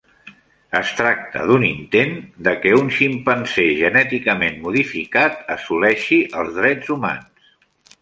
Es tracta d'un intent de que un ximpanzé genèticament modificat assoleixi els drets humans.